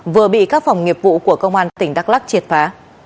vừa bị các phòng nghiệp vụ của công an tỉnh đắk lắc triệt phá